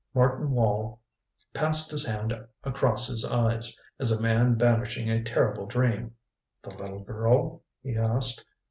Martin Wall passed his hand across his eyes, as a man banishing a terrible dream. "The little girl?" he asked.